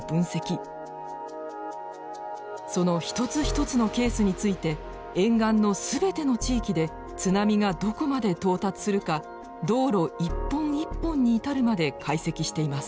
その一つ一つのケースについて沿岸の全ての地域で津波がどこまで到達するか道路一本一本に至るまで解析しています。